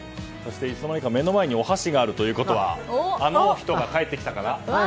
いつの間にか目の前にお箸があるということはあの人が帰ってきたかな？